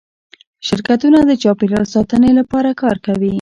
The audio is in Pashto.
شرکتونه د چاپیریال ساتنې لپاره کار کوي؟